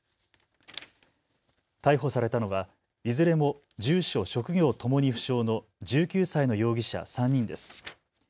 逮捕されたのはいずれも住所、職業ともに不詳の１９歳の容疑者３人です。